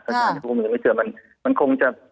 สถานทุกข์มูลยังไม่เจอมันคงจะ